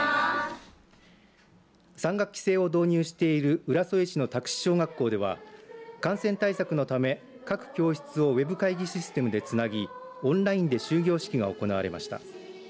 ３学期制を導入している浦添市の沢岻小学校では感染対策のため、各教室をＷＥＢ会議システムでつなぎオンラインで終業式が行われました。